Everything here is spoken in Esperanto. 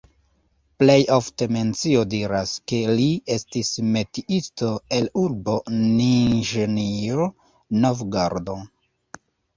Plej ofte mencio diras, ke li estis metiisto el urbo Niĵnij Novgorod.